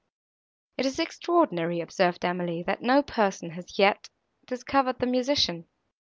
"It is extraordinary," observed Emily, "that no person has yet discovered the musician."